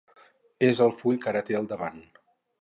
És el full que ara té al davant.